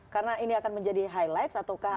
karena ini akan menjadi highlight atau kak